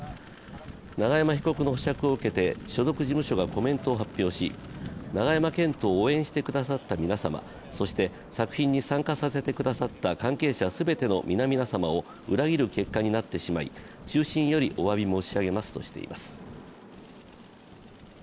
永山被告の保釈を受けて所属事務所がコメントを発表し、永山絢斗を応援してくださった皆様、そして作品に参加させてくださった関係者全ての皆々様を裏切る結果になってしまい、衷心よりおわび申し上げますとしています。